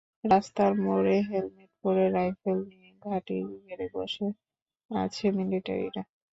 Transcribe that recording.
রাস্তার মোড়ে মোড়ে হেলমেট পরে রাইফেল নিয়ে ঘাঁটি গেড়ে বসে আছে মিলিটারিরা।